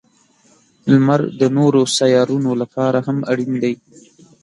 • لمر د نورو سیارونو لپاره هم اړین دی.